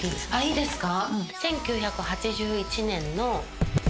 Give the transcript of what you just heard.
いいですか？